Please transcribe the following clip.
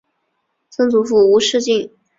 曾祖父吴仕敬。